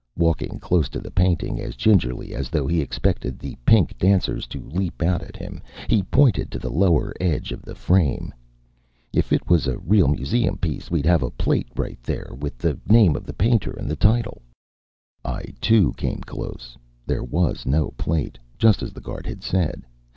Walking close to the painting, as gingerly as though he expected the pink dancers to leap out at him, he pointed to the lower edge of the frame. "If it was a real Museum piece, we'd have a plate right there, with the name of the painter and the title." I, too, came close. There was no plate, just as the guard had said.